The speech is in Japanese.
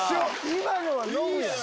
今のはノブやん。